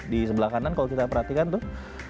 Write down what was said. di sebelah kanan kalau kita perhatikan tuh